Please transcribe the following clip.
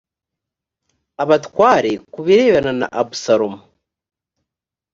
abatware ku birebana na abusalomu